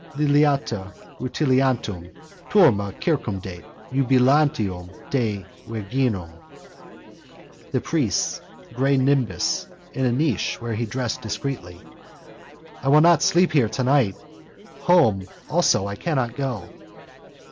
Liliata rutilantium. Turma circumdet. Iubilantium te virginum. The priest's grey nimbus in a niche where he dressed discreetly. I will not sleep here tonight. Home also I cannot go.